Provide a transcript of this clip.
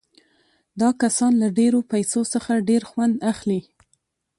دا کسان له ډېرو پیسو څخه ډېر خوند اخلي